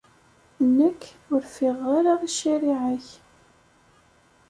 Nekk, ur ffiɣeɣ ara i ccariɛa-k.